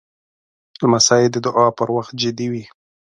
لمسی د دعا پر وخت جدي وي.